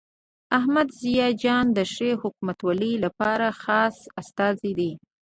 احمد ضیاء جان د ښې حکومتولۍ لپاره خاص استازی دی.